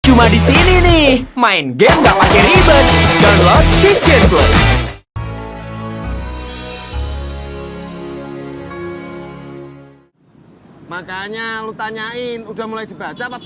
cuma disini nih main game gak lagi ribet